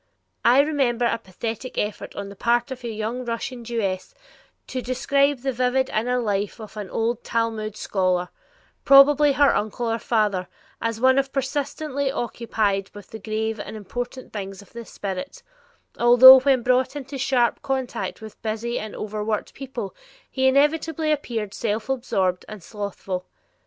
I remember a pathetic effort on the part of a young Russian Jewess to describe the vivid inner life of an old Talmud scholar, probably her uncle or father, as of one persistently occupied with the grave and important things of the spirit, although when brought into sharp contact with busy and overworked people, he inevitably appeared self absorbed and slothful.